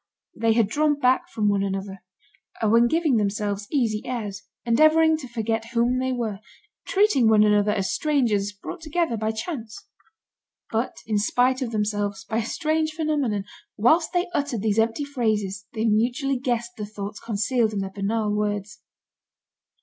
They had drawn back from one another, and were giving themselves easy airs, endeavouring to forget whom they were, treating one another as strangers brought together by chance. But, in spite of themselves, by a strange phenomenon, whilst they uttered these empty phrases, they mutually guessed the thoughts concealed in their banal words.